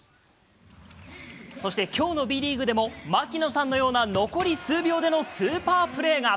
そして、きょうのＢリーグでも、槙野さんのような残り数秒でのスーパープレーが。